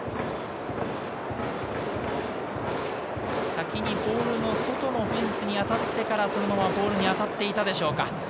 先にポールの外のフェンスに当たってから、そのままポールに当たっていたでしょうか。